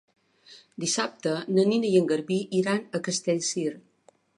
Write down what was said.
Dissabte na Nina i en Garbí iran a Castellcir.